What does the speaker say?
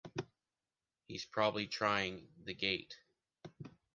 He’s probably trying the gate!